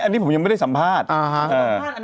อันนี้ผมยังไม่ได้สัมภาษณ์